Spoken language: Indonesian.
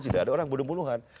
tidak ada orang bunuh bunuhan